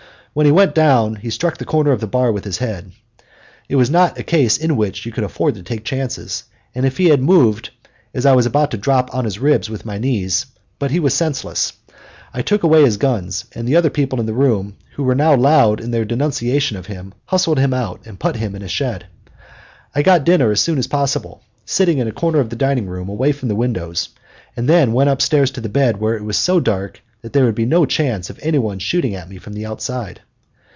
When he went down he struck the corner of the bar with his head. It was not a case in which one could afford to take chances, and if he had moved I was about to drop on his ribs with my knees; but he was senseless. I took away his guns, and the other people in the room, who were now loud in their denunciation of him, hustled him out and put him in a shed. I got dinner as soon as possible, sitting in a corner of the dining room away from the windows, and then went upstairs to bed where it was dark so that there would be no chance of any one shooting at me from the outside.